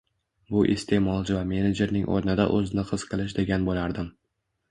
Bu isteʼmolchi va menejerning oʻrnida oʻzni his qilish degan boʻlardim.